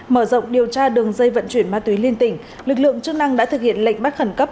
mở rộng điều tra đường dây vận chuyển ma túy liên tỉnh lực lượng chức năng đã thực hiện lệnh bắt khẩn cấp